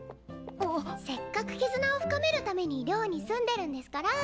せっかく絆を深めるために寮に住んでるんですからぁ。